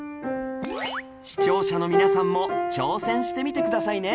視聴者の皆さんも挑戦してみてくださいね